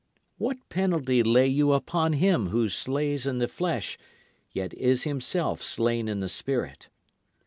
What penalty lay you upon him who slays in the flesh yet is himself slain in the spirit?